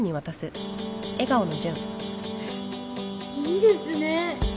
いいですね。